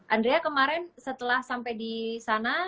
andrea kemarin setelah sampai di sana